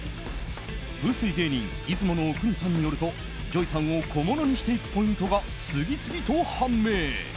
風水芸人・出雲阿国さんによるとＪＯＹさんを小物にしていくポイントが次々と判明。